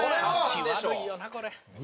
位置悪いよなこれ。